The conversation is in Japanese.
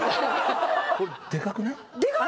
これでかくない？